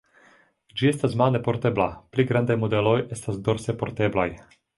Ĝi estas mane portebla, pli grandaj modeloj estas dorse porteblaj.